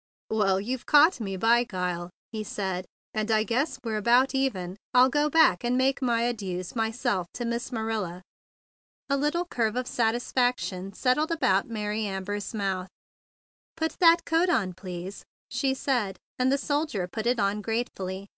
"Well, you've caught me by guile," he said; "and I guess we're about even. I'll go back and make my adieus my¬ self to Miss Marilla." 128 THE BIG BLUE SOLDIER A little curve of satisfaction settled about Mary Amber's mouth. 'Tut that coat on, please," she said, and the soldier put it on gratefully.